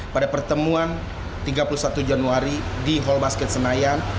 pada pertemuan tiga puluh satu januari di hall basket senayan